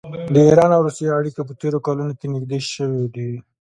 د ایران او روسیې اړیکې په تېرو کلونو کې نږدې شوي دي.